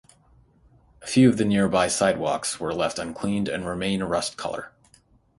A few of the nearby sidewalks were left uncleaned, and remain a rust color.